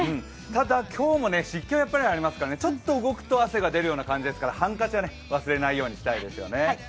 ただ、今日も湿気がありますから、ちょっと動くと汗が出る感じですからハンカチは忘れないようにしたいですね。